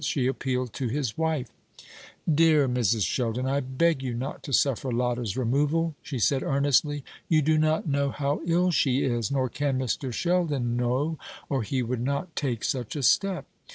She appealed to his wife. "Dear Mrs. Sheldon, I beg you not to suffer Lotta's removal," she said earnestly. "You do not know how ill she is nor can Mr. Sheldon know, or he would not take such a step.